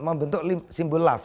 mau bentuk simbol love